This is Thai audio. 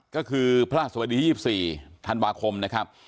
ก็คือพระราชบดี๒๔ธันวาคมนะครับ